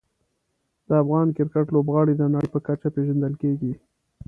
د افغان کرکټ لوبغاړي د نړۍ په کچه پېژندل کېږي.